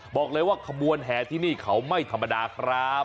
บอกเลยว่าขบวนแห่ที่นี่เขาไม่ธรรมดาครับ